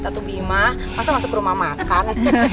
atau bimah masa masuk ke rumah makan